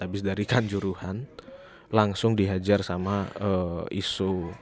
habis dari kanjuruhan langsung dihajar sama isu